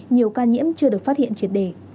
nhiều ca nhiễm chưa được phát hiện triệt đề